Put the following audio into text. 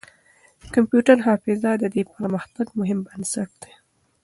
کمپيوټري حافظه د دې پرمختګ مهم بنسټ دی.